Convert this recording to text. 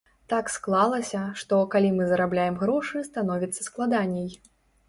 Так склалася, што, калі мы зарабляем грошы, становіцца складаней.